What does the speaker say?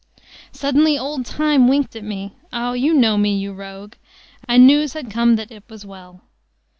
"Suddenly old Time winked at me ah, you know me, you rogue and news had come that IT was well.